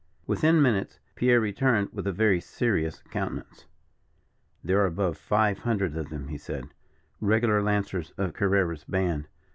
Within ten minutes, Pierre returned with a very serious countenance. "There are above a hundred of them," he said; "regular lancers of Carrera's band.